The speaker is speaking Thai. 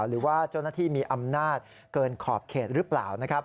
หรือว่าเจ้าหน้าที่มีอำนาจเกินขอบเขตหรือเปล่านะครับ